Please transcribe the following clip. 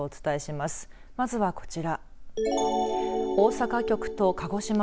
まずはこちら。